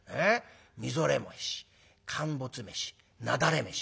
みぞれ飯陥没飯なだれ飯」。